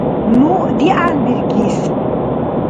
Ну дигӀянбиркис